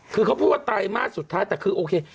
คือเขาพูดว่าไตรมาสสุดท้ายแต่คือโอเค